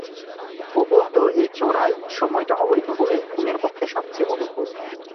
ও বলত, এই চোরাই সময়টা অবৈধ বলেই ঘুমের পক্ষে সব চেয়ে অনুকূল।